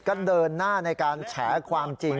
ก็เดินหน้าในการแฉความจริง